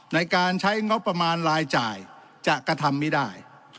ในการใช้งบประมาณรายจ่ายจะกระทำไม่ได้